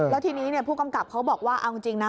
แล้วทีนี้ผู้กำกับเขาบอกว่าเอาจริงนะ